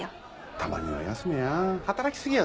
たまには休めや？